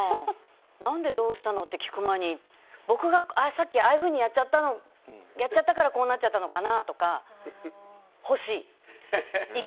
何でどうしたのって聞く前に僕がさっき、ああいうふうにやっちゃったからこうなっちゃったのかなとかが欲しい。